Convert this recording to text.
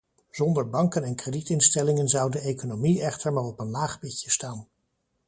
Zonder banken en kredietinstellingen zou de economie echter maar op een laag pitje staan.